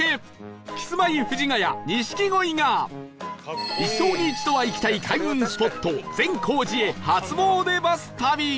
キスマイ藤ヶ谷錦鯉が一生に一度は行きたい開運スポット善光寺へ初詣バス旅